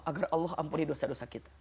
agar allah ampuni dosa dosa kita